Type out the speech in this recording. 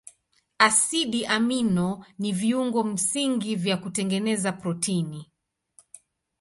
Asidi amino ni viungo msingi vya kutengeneza protini.